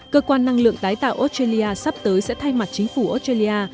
cơ quan năng lượng tái tạo australia sắp tới sẽ thay mặt chính phủ australia